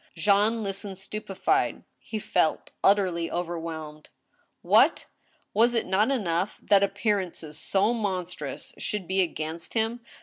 Jean listened stupefied. He felt utterly overwhelmed. What ! was it not enough that appearances so monstrous should be against him